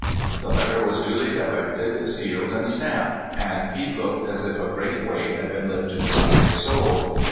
The letter was duty directed, sealed, and stamped, and Pete looked as if a great weight had been lifted from his soul.